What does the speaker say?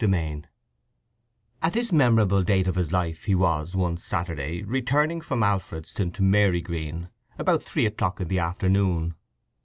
VI At this memorable date of his life he was, one Saturday, returning from Alfredston to Marygreen about three o'clock in the afternoon.